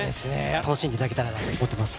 楽しんでいただけたらと思ってます。